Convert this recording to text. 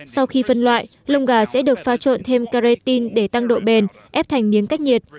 sau khi phân loại lông gà sẽ được pha trộn thêm caratine để tăng độ bền ép thành miếng cách nhiệt